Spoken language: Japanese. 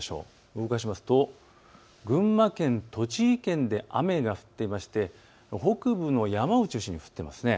動かしますと群馬県、栃木県で雨が降っていまして北部の山を中心に降っていますね。